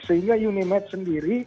sehingga unimed sendiri